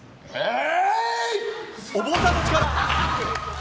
お坊さんの力。